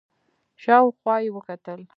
شاو خوا يې وکتل.